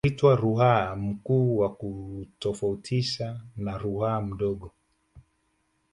Huitwa Ruaha Mkuu kwa kuutofautisha na Ruaha Mdogo